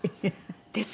ですよね。